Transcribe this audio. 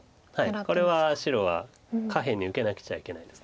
これは白は下辺に受けなくちゃいけないです。